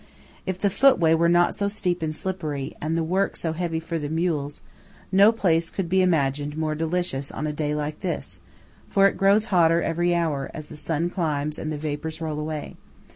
If the footway were not so steep and slippery, and the work so heavy for the mules, no place could be imagined more delicious on a day like this; for it grows hotter every hour, as the sun climbs and the vapours roll away.